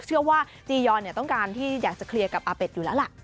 เชื่อว่าจียอนต้องการที่อยากจะเคลียร์กับอาเป็ดอยู่แล้วล่ะ